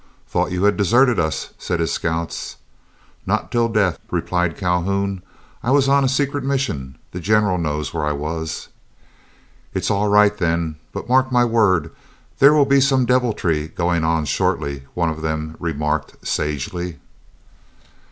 "Thought you had deserted us," said his scouts. "Not till death," replied Calhoun. "I was on a secret mission. The General knows where I was." "It's all right then, but mark my word, there will be some deviltry going on shortly," one of them remarked, sagely.